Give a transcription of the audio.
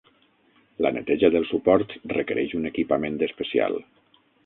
La neteja dels suports requereix un equipament especial.